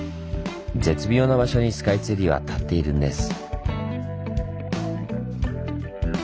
絶妙な場所にスカイツリーは立っているんです。